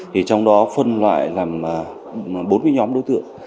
thì trong đó phân loại làm bốn mươi nhóm đối tượng